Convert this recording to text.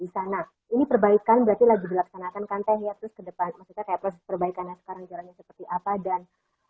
di sana ini perbaikan berarti lagi dilaksanakan kan teh ya terus ke depan maksudnya kayak proses perbaikannya sekarang jalannya seperti apa dan